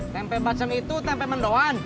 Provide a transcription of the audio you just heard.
tempe macem itu tempe mendoan